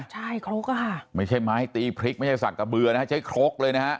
ใช่ครกอะค่ะไม่ใช่ไม้ตีพริกไม่ใช่สักกระเบือนะฮะใช้ครกเลยนะฮะ